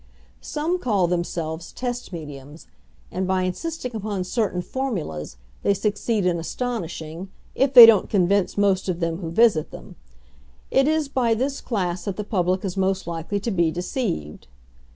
Some call themselves "test mediums;" and, by insisting upon certain formulas, they succeed in astonishing, if they don't convince most of them who visit them. It is by this class that the public is most likely to be deceived.